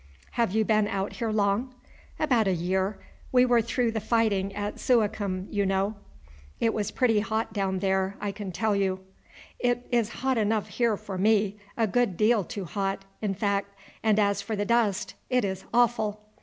"Have you been out here long?" "About a year; we were through the fighting at Suakim, you know. It was pretty hot down there, I can tell you." "It is hot enough here for me a good deal too hot, in fact; and as for the dust, it is awful!"